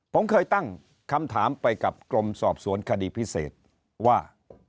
ผมเคยตั้งคำถามไปกับกรมสอบสวนคดีพิเศษว่า